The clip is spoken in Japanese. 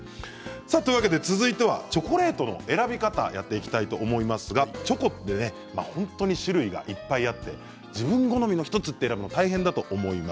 というわけで次はチョコレートの選び方をやっていきたいと思いますが、チョコって本当に種類がいっぱいあって自分好みの１つって、選ぶの大変だと思います。